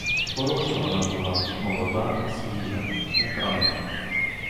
Хороша вона була, молода і свіжа, як ранок.